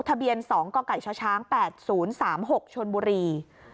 ทะเบียน๒กกชช๘๐๓๖ชนบุรี